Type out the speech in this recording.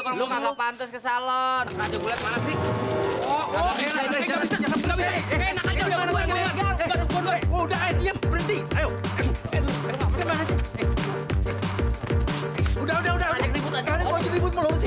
kamu bisa pergi